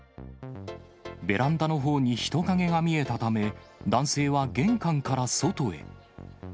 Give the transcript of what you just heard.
ベランダのほうに人影が見えたため、男性は玄関から外へ。